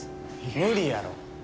無理やろ。